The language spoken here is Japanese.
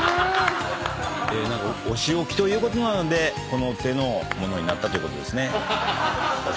何かお仕置きということなのでこの手のものになったということですね。